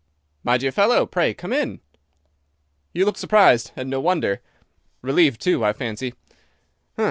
"My dear fellow, pray come in." "You look surprised, and no wonder! Relieved, too, I fancy!